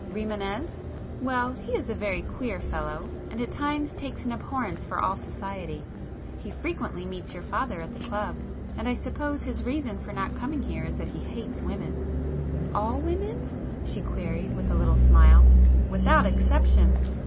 "Rimânez? Well, he is a very queer fellow, and at times takes an abhorrence for all society. He frequently meets your father at the club, and I suppose his reason for not coming here is that he hates women." "All women?" she queried with a little smile. "Without exception!"